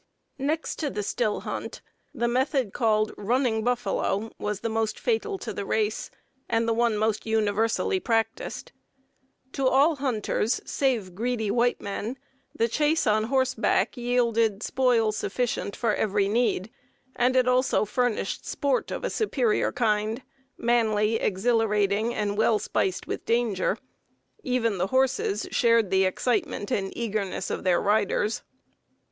"_ Next to the still hunt the method called "running buffalo" was the most fatal to the race, and the one most universally practiced. To all hunters, save greedy white men, the chase on horseback yielded spoil sufficient for every need, and it also furnished sport of a superior kind manly, exhilarating, and well spiced with danger. Even the horses shared the excitement and eagerness of their riders.